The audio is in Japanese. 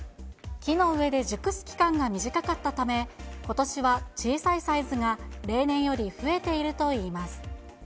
木の上で熟す期間が短かったため、ことしは小さいサイズが例年より増えているといいます。